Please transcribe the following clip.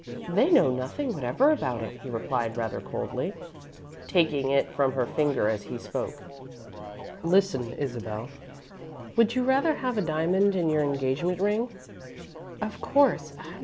"They know nothing whatever about it," he replied, rather coldly, taking it from her finger as he spoke. "Listen, Isabel. Would you rather have a diamond in your engagement ring?" "Of course.